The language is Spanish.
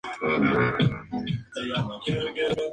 Participó en Occidente.